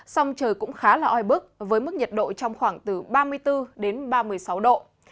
song trời cũng khá là oi bức với mức nhiệt độ trong khoảng từ ba mươi bốn đến ba mươi sáu độ